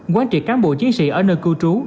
quán trị cán bộ chiến sĩ ở nơi cư trú